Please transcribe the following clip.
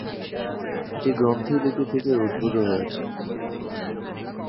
এটি গ্রন্থি লিপি থেকে উদ্ভূত হয়েছে।